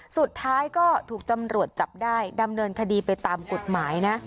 สุดท้ายก็ถูกตำรวจจับได้ดำเนินคดีไปตามกฎหมายนะ